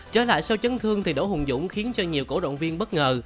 trở lại sau chấn thương thì đỗ hùng dũng khiến cho nhiều cổ động viên bất ngờ